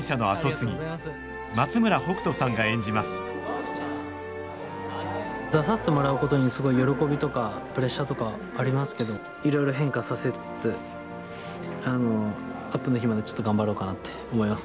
松村北斗さんが演じます出させてもらうことにすごい喜びとかプレッシャーとかありますけどいろいろ変化させつつあのアップの日までちょっと頑張ろうかなって思います。